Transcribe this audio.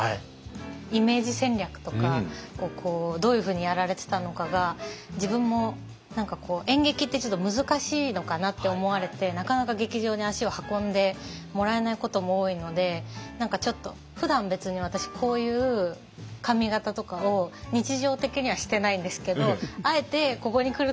イメージ戦略とかどういうふうにやられてたのかが自分も演劇って難しいのかなって思われてなかなか劇場に足を運んでもらえないことも多いのでふだん別に私こういう髪形とかを日常的にはしてないんですけどあえてここに来る時に。